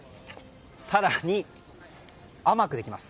更に、甘くできます。